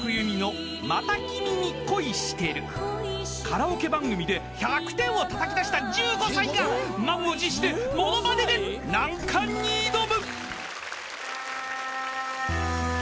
［カラオケ番組で１００点をたたきだした１５歳が満を持してものまねで難関に挑む］